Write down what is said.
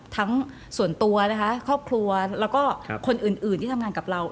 ทั้งส่วนตัวนะคะครอบครัวแล้วก็คนอื่นที่ทำงานกับเรา